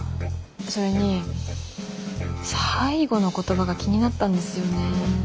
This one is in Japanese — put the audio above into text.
それに最後の言葉が気になったんですよね。